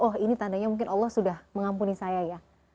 oh ini tandanya mungkin allah sudah mengampuni saya ya